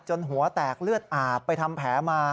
หัวแตกเลือดอาบไปทำแผลมา